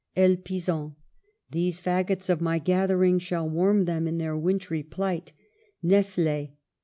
Elpison. These fagots of my gathering Shall warm them in their wintry plight. Nephele.